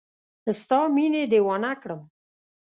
ستا مینې دیوانه کړم